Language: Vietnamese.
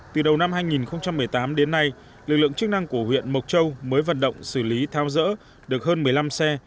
từ đầu năm hai nghìn một mươi tám đến nay lực lượng chức năng của huyện mộc châu mới vận động xử lý thao dỡ được hơn một mươi năm xe